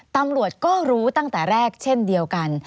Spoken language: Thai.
ตำรวจก็รู้ตั้งแต่แรกเช่นเดียวกัน